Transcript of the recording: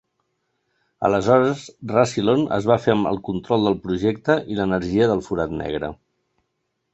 Aleshores, Rassilon es va fer amb el control del projecte i l'energia del forat negre.